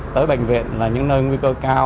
tới bệnh viện là những nơi nguy cơ cao